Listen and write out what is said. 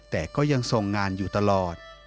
แต่ก็ยังทรงงานอยู่ตลอด